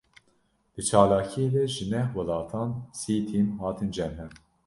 Di çalakiyê de ji neh welatan sî tîm hatin cem hev.